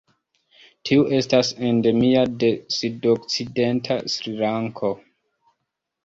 Tiu estas endemia de sudokcidenta Srilanko.